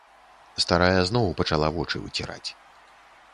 Старая зноў пачала вочы выціраць.